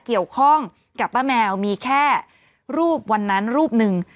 เกี่ยวข้องกับป้าแมวมีแค่รูปวันนั้นรูปหนึ่ง